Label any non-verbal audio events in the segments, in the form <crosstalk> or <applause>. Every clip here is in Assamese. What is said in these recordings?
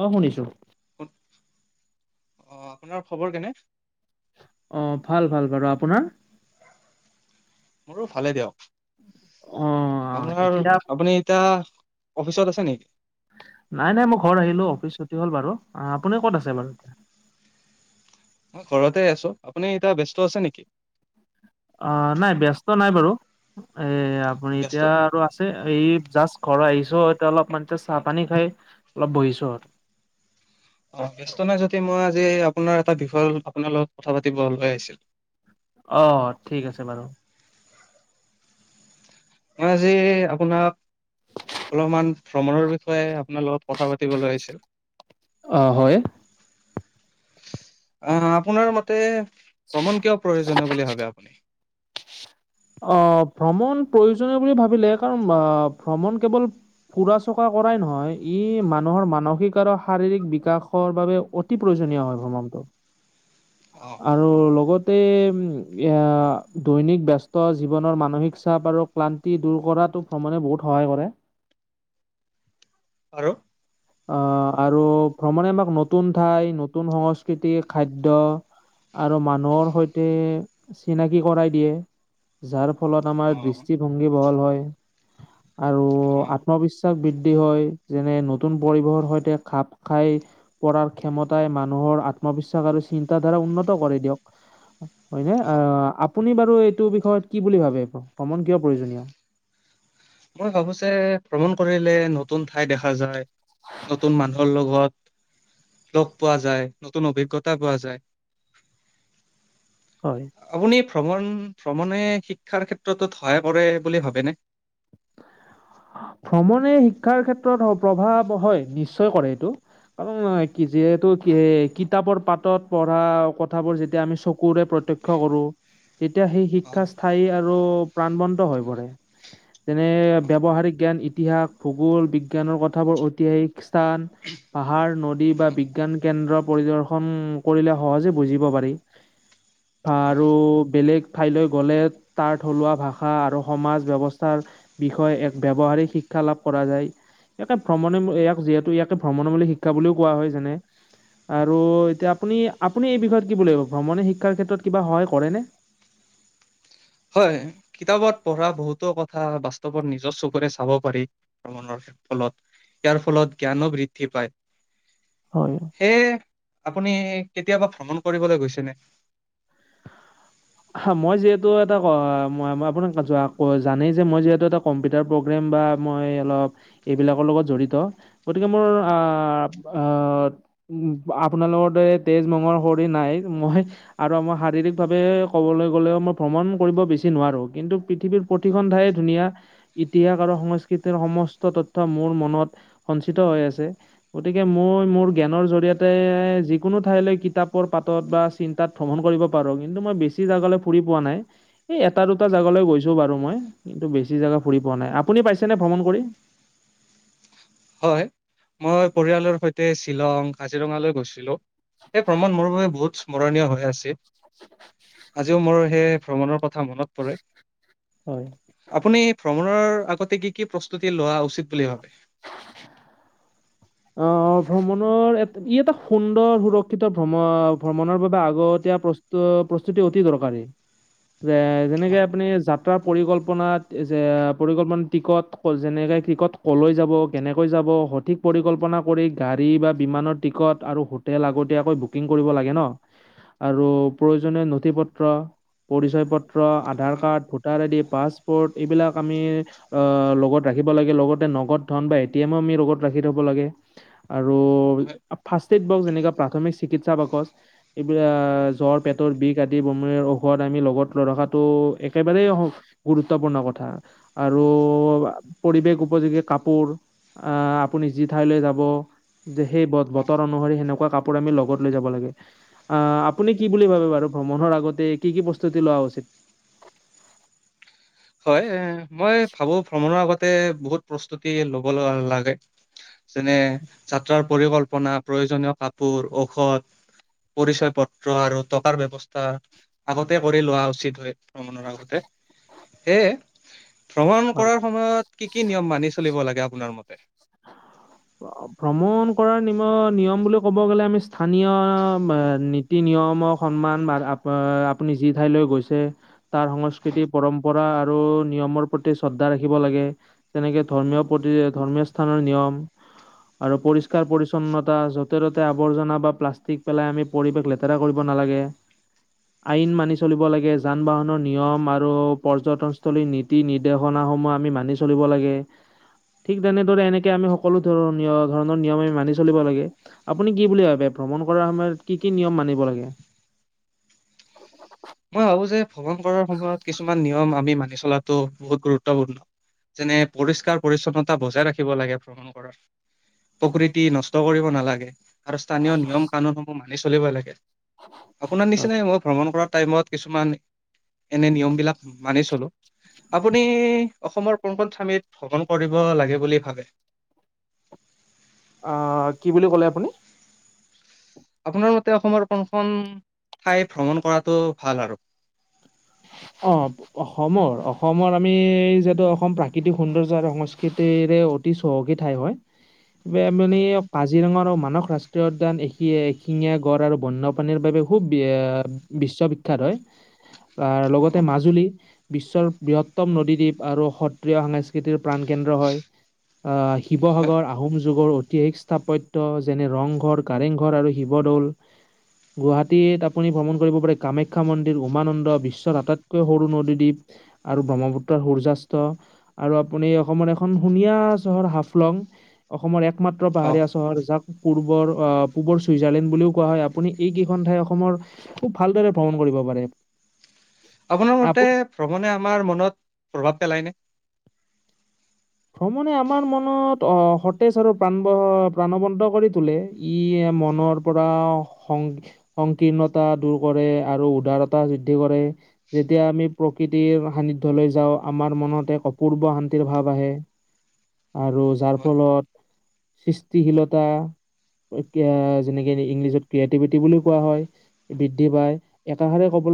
অ শুনিছো। ক'ত, অহ আপোনাৰ খবৰ কেনে? অ ভাল-ভাল বাৰু, আপোনাৰ? মোৰো ভালে দিয়ক, অ আপোনাৰ এতিয়া আপুনি এতিয়া অফিচত আছে নি? নাই-নাই মই ঘৰত আহিলো, অফিচ ছুটি হ'ল বাৰু, আপুনি ক'ত আছে বাৰু এতিয়া? মই ঘৰতে আছো, আপুনি এতিয়া ব্যস্ত আছে নেকি? অহ নাই ব্যস্ত নাই বাৰু। এ আপুনি ব্যস্ত এতিয়া আৰু আছে, এই জাষ্ট ঘৰ আহিছ এতিয়া অলপ মান চাহ-পানী খাই অলপ বহিছো আৰু। অ ব্যস্ত নাই যদি মই আজি আপোনাৰ এটা বিষয়, আপোনাৰ লগত কথা পাতিব লৈ আহিছিল অ, ঠিক আছে বাৰু। মই আজি আপোনাক অলপমান ভ্ৰমণৰ বিষয়ে আপোনাৰ লগত কথা পাতিবলৈ আহিছিলো। অ হয়। অ আপোনাৰ মতে ভ্ৰমণ কিয় প্ৰয়োজনীয় বুলি ভাবে আপুনি? আহ, ভ্ৰমণ প্ৰয়োজনীয় বুলি ভাবিলে কাৰণ আহ ভ্ৰমণ কেৱল ফুৰা-চকা কৰাই নহয়, ই মানুহৰ মানসিক আৰু শাৰীৰিক বিকাশৰ বাবে অতি প্ৰয়োজন নিয় হয় ভ্ৰমানটো। অ আৰু লগতে উম এ দৈনিক ব্যচ জীৱনৰ মানসিক চাপ আৰু ক্লান্তি দূৰ কৰাতো ভ্ৰমণে বহুত সহায় কৰে আৰু আহ আৰু ভ্ৰমণে আমাক নতুন ঠাই নতুন সংস্কৃতি খাদ্্য আৰু মানুহৰ সৈতে চিনাকি কৰাই দিয়ে যাৰ ফলত আমাৰ অ দৃষ্টিভংগী বহল হয় আৰু অ আত্মবিশ্বাস বৃদ্ধি হয় যেনে নতু নতুন পৰিবেশৰ সৈতে খাপ খাই পাৰ ক্ষমতাই মানুহৰ আত্মবিশ্বাস আৰু চিন্তাধাৰা হয় অ আপুনি বাৰু এইটো বিষয়ত কি বুলি ভাবে ভ্ৰমণ কিয় প্ৰয়োজনীয় মই ভাবো যে ভ্ৰমণ কৰিলে নতুন ঠাই দেখা যায় নতুন মানুহৰ লগত লগ পোৱা যায় নতুন অভিজ্ঞতা পোৱা যায় হয়। আপুনি ভ্ৰমণ ভ্ৰমণে শিক্ষাৰ ক্ষেত্ৰতত সহায় পৰে বুলি ভাবেনে ভ্ৰমণে শিক্ষাৰ ক্ষেত্ৰত প্ৰভাৱ হয় নিশ্চয় কৰে এইটো কাৰণ কি যিহেতু কি কিতাপৰ পাতত পঢ়া কথাবোৰ যেতিয়া আমি চকুৰে প্ৰতক্ষয় কৰো তেতিয়া সেই শিক্ষা অ', স্থায়ী আৰু প্ৰাণবন্ত হৈ পৰে যেনে অ', ব্য্ৱহাৰিক জ্ঞান ইতিহাস ভূগোল বিজ্ঞানৰ কথাবোৰ ঐতিহাসিক সান পাহাৰ নদী বা অ', বিজ্ঞান কেন্দ্ৰ পৰিদৰ্শন কৰিলে সহজে বুজিব পাৰি বা অ'। আৰু বেলেগ খাইলৈ গ'লে তাৰ থলুৱা ভাষা আৰু সমাজ ব্যৱস্থা াৰ বিষয়ে এক ব্য্ৱহাৰিক শিক্ষা লাভ কৰা যায় ইয়াকে ভ্ৰমণে ইয়াক যিহেতু ইয়াকে ভ্ৰমণ মূল শিক্ষা বুলিও কোৱা হয় যেনে আৰু এতিয়া আপুনি আপুনি এই বিষয়ত কি বুলি লাগিব ভ্ৰমণে শিক্ষাৰ ক্ষেত্ৰত কিবা সহায় কৰেনে <inaudible> হয় কিতাপত পঢ়া বহুতো কথা বাস্তৱত নিজৰ চকুৰে চাব পাৰি ভৰ ফলত ইয়াৰ ফলত জ্ঞানো বৃদ্ধি পায় হয় সেয়ে আপুনি কেতিয়াবা ভ্ৰমণ কৰিবলৈ গৈছেনে মই যিহেতু এটা আপোনাক জানেই যে মই যিহেতু এটা কম্পিউটাৰ প্ৰগ্ৰেম বা মই অলপ এইবিলাকৰ লগত জড়িত গতিকে মোৰ উ আপোনালোকৰ দৰে তেজ মহৰ খৰি নাই মই আৰু আমই শাৰীৰিক ভাৱে ব গলে ম ভ্ৰমণ কৰিব বেছি নোৱাৰো কিন্তু পৃথিৱীৰ প্ৰতিখন ঠ ধ সংস্ৃতিৰ সম ত মোৰ মনত সঞ্চিত হৈ আছে গতিকে মই ম জ জৰিয়তে যিকোনো ঠাইলৈ কিতাপৰ পাতত বা চিন্তাত ভ্ৰমণ কৰিব পাৰো কিন্তু মই বেছি জ ফুৰি পোৱা নাই এটা দুটা জৈ গৈছো বাৰু মইন্তু বেছি জেগা ফুৰি পোৱা নাই আু পাইছেনেে ভ্ৰমণ কৰি হয় মই পৰিয়ালৰ সৈতে শ্বিলং কাজিৰঙালৈ গৈছিলো এই, ভ্ৰমণ মোৰ বাবে বহুত স্মৰণীয় হৈ আছে। আজিও মোৰ <unintelligible> সেই ভ্ৰমণৰ কথা মনত পৰে, হয়। আপুনি ভ্ৰমণৰ আগতে, কি কি প্ৰস্তুতি লোৱা উচিত বুলি ভাবে? অহ, ভ্ৰমণৰ, ই এটা সুন্দৰ সুৰক্ষিত ভ্ৰমণ ভ্ৰমণৰ বাবে আগতে প্ৰস প্ৰস্তুতি অতি দৰকাৰী। <unintelligible> যে যেনেকে হয়, আপুনি, যা <unintelligible> পৰিকল্পনাত যে পৰিকল্পনা টিকট যেনেকে টিকট ক'লৈ যাব, কেনেকৈ যাব সঠিক পৰিকল্পনা কৰি গাড়ী বা বিমানৰ টিকট আৰু হোটেল আগতীয়াকৈ বুকিং কৰিব লাগে নহ। আৰু প্ৰয়োজনীয় নথি পত্ৰ, পৰিচয় পত্ৰ ত্ৰ, আধাৰ হয়, কাৰ্ড, ভোটাৰ আইডি, পাছপৰ্ট এইবিলাক আমি অ লগত ৰাখিব লাগে। লগ নগদ ধন বা এটিএমো আমি লগত ৰাখি থব লাগে। আৰু হয়, ফাৰ্ষ্ট এইড বক্স, যেনেকা প্ৰাথমিক চিকিৎসা বাকচ, এইবিলাক জ্বৰ, পেটৰ বিষ আদি বমিৰ ঔষধ আমি লগত ৰখাটো একেবাৰেই গুৰুত্বপূৰ্ণ কথা আৰু পৰিৱেশ উপযোগী কাপোৰ। আ আপুনি যি ঠাইলৈ যাব, সেই অ'। বতৰ অনুসৰি সেনেকুৱা কাপো- আমি লগত লৈ যাব লাগে। আহ, আপুনি কি বুলি ভাবে বাৰু? ভ্ৰমণৰ আগতে কি কি প্ৰস্তুতি লোৱা উচিত? <unintelligible> হয়, এ মই ভাবো ভ্ৰমণৰ আগতে বহুত প্ৰস্তুতি ল'ব লাগে। যেনে যাত্ৰাৰ পৰিকল্পনা, প্ৰয়োজনীয় কাপোৰ, ঔষধ পৰিচয় পত্ৰ আৰু টকাৰ ব্যৱস্থা আগতে কৰি লোৱা উচিত হয়। ভ্ৰমণৰ আগতেই, সেয়ে ভ্ৰমণ হয় কৰাৰ সময়ত কি কি নিয়ম মানি চলিব লাগে? আপোনাৰ মতে। ভ্ৰমণ কৰাৰ নিম, নিয়ম বুলি ক'ব গ'লে আমি স্থানীয় নীতি-নিয়মৰ সন্মান বা আপুনি যি ঠাইলৈ গৈছে তাৰ সংস্কৃতি পৰম্পৰা আৰু নিয়মৰ প্ৰতি শ্ৰদ্ধা ৰাখিব লাগে, যেনেকে ধৰ্মীয় প্ৰতি, ধৰ্মীয় স্থানৰ নিয়ম। আৰু পৰিষ্কাৰ পৰিছন্নতা, যতে ত'তে আৱৰ্জনা বা প্লাষ্টিক পেলাই আমি পৰিৱেশ লেতেৰা কৰিব নোৱা নালাগে। আইন মানি চলিব লাগে, যান বাহনৰ নিয়ম আৰু পৰ্যটনস্থলীৰ নীতি নিৰ্দেশনা আমি মানি চলিব লাগে। থিক তেনে এনেকে আমি সকলো ধৰণৰ নিয়ম ধৰণৰ নিয়ম আমি মানি চলিব লাগে, আপুনি কি বুলি ভাবে? ভ্ৰমণ কৰাৰ সময়ত কি কি নিয়ম মানিব লাগে? <unintelligible> মই ভাবো যে ভ্ৰমণ কৰাৰ সময়ত কিছুমান নিয়ম আমি মানি চলাটো বহুত গুৰুত্বপূৰ্ণ। যেনে পৰিষ্কাৰ পৰিচ্ছন্নতা বজাই ৰাখিব লাগে প্ৰকৃতি নষ্ট কৰিব নালাগে। আৰু স্থানীয় নিয়ম কানুনসমূহ মানি চলিব লাগে। আপোনাৰ হয়। নিচিনাই মই ভ্ৰমণ কৰা টাইমত কিছুমান এনে নিয়ম বিলাক মানি চলো। আপুনি, অসমৰ কোন খন ঠামিত ভ্ৰমণ কৰিব লাগে বুলি ভাবে? <inaudible> অ', কি বুলি ক'লে আপুনি? আপোনাৰ মতে, অসমৰ কোনখন ঠাই ভ্ৰমণ কৰাটো ভাল আৰু? অ', অসমৰ, অসমৰ আমি যিহেতু অসম প্ৰাকৃতিক সৌন্দৰ্য আৰু সংস্কৃতিৰ এ অতি চহকী ঠাই হয়। হয়, কাজিৰঙা আৰু মা ৰাষ্ট্ৰীয় উদ্যান এ এশিঙীয়া গড় আৰু বন্যপাণীৰ বাবে খুব বিশ্ববিখ্যাত হয়। আহ, লগতে তে অ', মাজুলী বিশ্বৰ বৃহত্তম নদীদ্বীপ আৰু সত্ৰীয়া সাংস্কৃতিৰ প্ৰাণ কেন্দ্ৰ হয়। আহ হয় শিৱসাগৰ আহোম যুগৰ ঐতিহাসিক স্থাপত্য যেনে ৰংঘৰ কাৰেংঘৰ আৰু শিৱদৌল গুৱাহাটীত আপুনি ভ্ৰমণ কৰিব পাৰে কামাখ্যা মন্দিৰ উমানন্দ বিশ্ব হাটত সৰু নদীদ্বীপ আৰু ব্ৰহ্মপুত্ৰৰ সূৰ্যয়াস্ত আৰু আপুনি অসমৰ এখন ধুনীয়া চহৰ হাফলং অসমৰ একমাত্ৰ অ', পাহাৰীয়া চহৰ জাক পূৰ্বৰ পূ্বৰ চুইজাৰলেণ্ড বুলিও কোৱা হয় আপুনি এই কেইখন ঠাই অসমৰ খুব ভালদৰে ভ্ৰমণ কৰে কৰিব পাৰে আপোনাৰ আপুনি মতে ভ্ৰমণে আমাৰ মনত প্ৰভাৱ পেলায়নে ভ্ৰমণে আমাৰ মনত অ সতেজ আৰু প্ৰাণব প্ৰাণবন্ত কৰি তোলে ই ম অসমৰ পৰা সং সংকীৰ্ণতা দূৰ কৰে আৰু উদাৰতা বৃদ্ধি কৰে যেতিয়া আমি প্ৰকৃতিৰ সান্নিধ্যলৈ যাও আমাৰ মনত এক অপূৰ্ব শান্তিৰ ভাৱ আহে আৰু যাৰ হয়, ফলত সৃষ্টিশীলতা যেনেকে ইংলিছত ক্ৰিয়েটিভিটি বুলি কোৱা হয় বৃদ্ধি পায় একাষাৰে ক'ব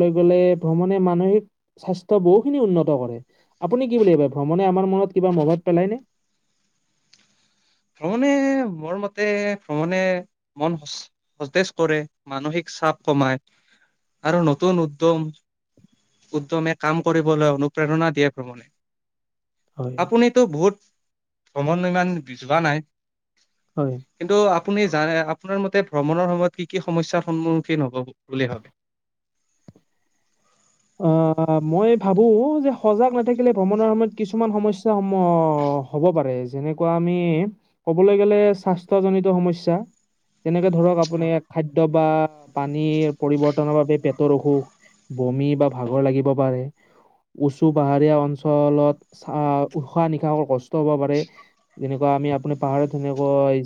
ভ্ৰমণে মানসিক স্বাস্থ্য বহু খিনি উন্নত কৰে আপুনি কি বুলিব ভ্ৰমণে আমাৰ <unintelligible> কিবা মনত পেলাই নে। ভ্ৰমণে মোৰ মতে ভ্ৰমণে মন সতেজ কৰে মানসিক চাপ কমাই আৰু নতুন উদ্যম উদ্যমে কাম কৰিবলৈ অনুপ্ৰেৰণা দিয়ে ভ্ৰমণে হয় আপুনিতো বহুত ভ্ৰমনয়মান যোৱা নাই। হয়। কিন্তু আপুনি জান আপোনাৰ মতে ভ্ৰমণৰ সময়ত কি কি সমস্যাৰ সন্মুখীন হ'ব বুলি ভাবে <inaudible> অ', মই ভাবো যে সজাগ নাথাকিলে ভ্ৰমণৰ সময়ত কিছুমান সমস্যাসমূহ হ হ'ব পাৰে যেনেকুৱা আমি কবলৈ গলে স্বাস্থ্যজনিত সমস্যা। যেনেকে ধৰক আপুনি খাদ্য বা পানীৰ পৰিবৰ্তনৰ বাবে পেটৰ অসুখ বমি বা ভাগৰ লাগিব পাৰে। উচু পাহাৰীয়া অঞ্চলত চ উশাহ নিশাহৰ কষ্ট হব পাৰে যেনেকুৱা আমি আপুনি পাহাৰত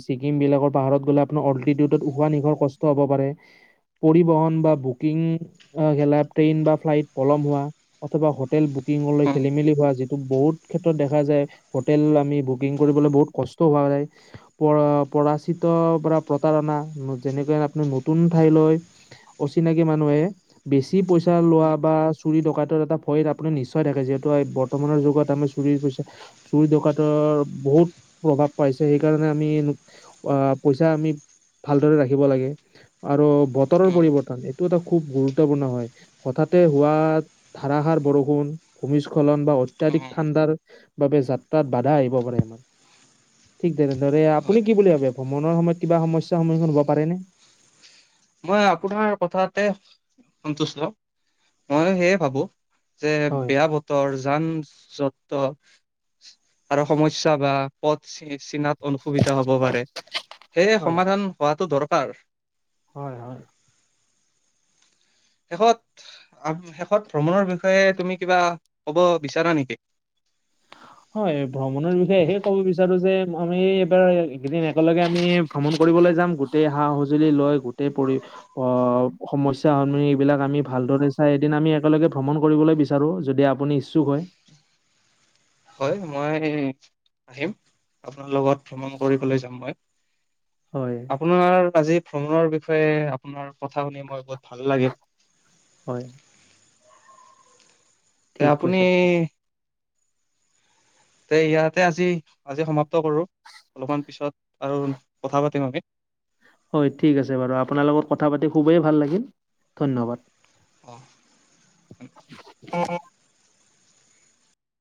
ছিকিম বিলাকৰ পাহৰত গলে আপোনাৰ <unintelligible> পাৰে। পৰিবহন বা বুকিং <unintelligible> বা ফ্লাইট পলম হোৱা অথবা হোটেল বুকিঙলৈ খেলি মেলি হোৱা যিটো বহুত ক্ষেত্ৰত দেখা যায় হোটেল আমি বুকিং কৰিবলৈ বহুত কষ্ট হোৱা যায় প <unintelligible> পৰা প্ৰতাৰণা যেনেকৈ আপুনি নতুন ঠাইলৈ অচিনাকি মানুহে বেছি কি পইচা লোৱা বা চুৰি দকাইতৰ এটা ভয় আপুনি নিশ্চয় থাকে যিহেতু বৰ্তমানৰ যুগত আমি চুৰি দকাইতৰ ৰ বহুত প্ৰভাৱ পাইছে সেইকাৰণে আমি আহ পইচা আমি ভালদৰে ৰাখিব লাগে আৰু বতৰৰ পৰিৱৰ্তন এইটো এটা খুব গুৰুত্বপূৰ্ণ হয় হঠাৎ তে হোৱা ধাৰাসাৰ বৰষুণ ভূমিস্খলন বা অত্যাধিক ঠাণ্ডাৰ বাবে যাত্ৰাত বাধা আহিব পাৰে আমাৰ। ঠিক তেনে ধৰে হয়। আপুনি কি বুলি ভাবে ভ্ৰমণৰ সময়ত কিবা সমস্যাৰ সন্মুখীন হ'ব পাৰেনে। <unintelligible> মই আপোনাৰ কথাতে সন্তুষ্ট ময়ো সেয়ে ভাবোঁ। যে হয় বেয়া বতৰ। যান যত আৰু সমস্যা বা পথ চিনত। অসুবিধা হব পাৰে সেয়ে হয় সমাধান হোৱাটো দৰকাৰ। হয়, হয়। শেষত শেষত ভ্ৰমণৰ বিষয়ে তুমি কিবা কব বিচাৰা নেকি। হয় ভ্ৰমণৰ বিষয়েহে কব বিচাৰো যে আমি এইবাৰ এইেইদিন একেলগে আমি ভ্ৰমণ কৰ ফুৰিবলে যাম <unintelligible> চাই এদিন আমি একেলগে ভ্ৰমণ কৰিবলৈ বিচাৰোঁ যদি আপুনি ইচ্ছুক হয়। হয় মই আহিম আপোনাৰ লগত ভ্ৰমণ কৰিবলৈ যাম মই। হয় আপোনাৰ আজি ভ্ৰমণৰ বিষয়ে আপোনাৰ কথা শুনি মই ভাল লাগে। হয় ঠিক আপুনি। কৈছে তে ইয়াতে আজি আজি সমাপ্ত কৰো। অলপমান পিছত আৰু কথা পাতিম আমি। হয় ঠিক আছে বাৰু আপোনাৰ লগত কথা পাতি খুবেই ভাল লাগিল ধন্যবাদ। অ',।